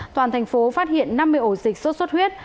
toàn thành phố phát hiện năm mươi ổ dịch sốt xuất huyết